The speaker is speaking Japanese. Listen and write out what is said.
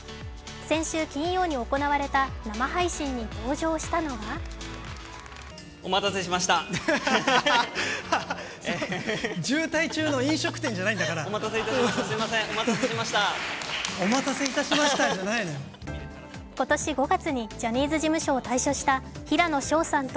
先週金曜に行われた生配信に登場したのは今年５月にジャニーズ事務所を退所した平野紫耀さんと